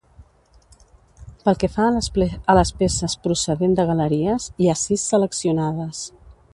Pel que fa a les peces procedent de galeries, hi ha sis seleccionades.